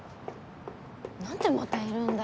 何でまたいるんだよ。